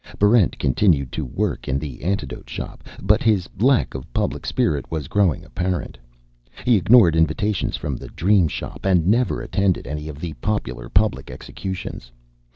Barrent continued to work in the Antidote Shop, but his lack of public spirit was growing apparent. He ignored invitations from the Dream Shop, and never attended any of the popular public executions.